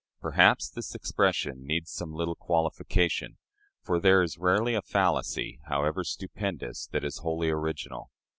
Perhaps this expression needs some little qualification, for there is rarely a fallacy, however stupendous, that is wholly original.